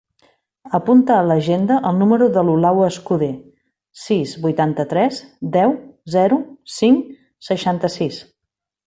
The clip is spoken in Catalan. Apunta a l'agenda el número de l'Olau Escuder: sis, vuitanta-tres, deu, zero, cinc, seixanta-sis.